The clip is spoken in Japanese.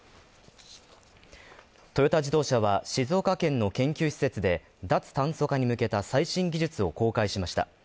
トヨタ自動車は、静岡県の研究施設で、脱炭素化に向けた最新技術を公開しました。